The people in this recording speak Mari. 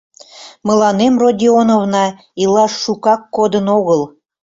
— Мыланем, Родионовна, илаш шукак кодын огыл.